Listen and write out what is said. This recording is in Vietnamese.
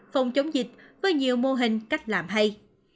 phòng chống dịch với nhiều mô hình cách làm hay